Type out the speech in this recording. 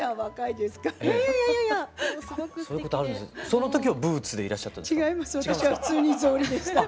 その時はブーツでいらっしゃったんですか？